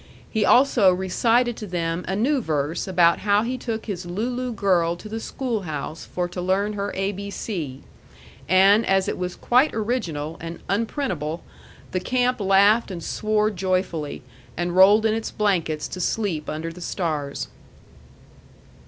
He also recited to them a new verse about how he took his Looloo girl to the schoolhouse for to learn her A B C; and as it was quite original and unprintable, the camp laughed and swore joyfully, and rolled in its blankets to sleep under the stars.